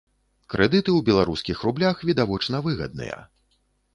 Крэдыты ў беларускіх рублях, відавочна, выгадныя.